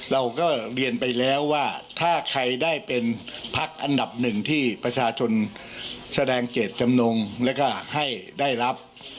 เราก็เรียนไปแล้วว่าถ้าใครได้เป็นพักอันดับหนึ่งที่ประชาชนแสดงเจตจำนงแล้วก็ให้ได้รับ